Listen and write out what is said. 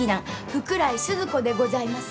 福来スズ子でございます。